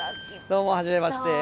どうもはじめまして。